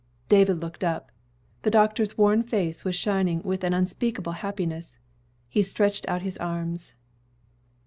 David looked up. The doctor's worn face was shining with an unspeakable happiness. He stretched out his arms.